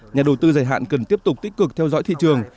nhà đầu tư giải hạn cần tiếp tục tích cực theo dõi thị trường